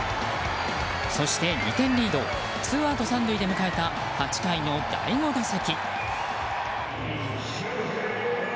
そして２点リードツーアウト３塁で迎えた８回の第５打席。